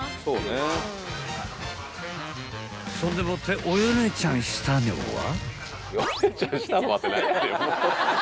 ［そんでもっておよねちゃんしたのは］